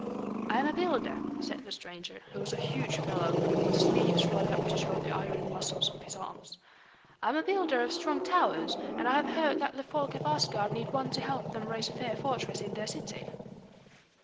"I am a builder," said the stranger, who was a huge fellow with sleeves rolled up to show the iron muscles of his arms. "I am a builder of strong towers, and I have heard that the folk of Asgard need one to help them raise a fair fortress in their city."